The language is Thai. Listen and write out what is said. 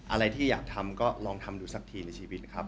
อะไรที่อยากทำก็ลองทำดูสักทีในชีวิตครับ